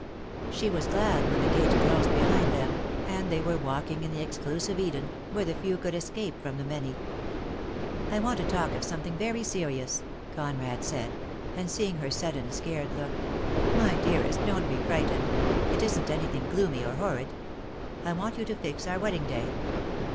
She was glad when the gate closed behind them, and they were walking in the exclusive Eden, where the few could escape from the many. "I want to talk of something very serious," Conrad said, and seeing her sudden, scared look: "My dearest, don't be frightened. It isn't anything gloomy or horrid. I want you to fix our wedding day.